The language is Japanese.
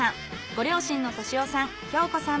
ご両親の俊夫さん